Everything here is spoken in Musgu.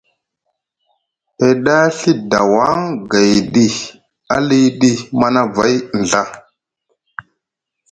E ɗa Ɵii dawaŋ gayɗi aliɗi Manavay nɵa.